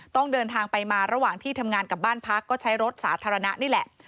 ต้องเดินทางไปมาระหว่างที่ทำงานกับบ้านพักก็ใช้รถสาธารณะนี่แหละ